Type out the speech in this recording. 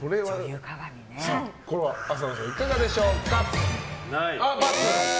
浅野さん、いかがでしょうか。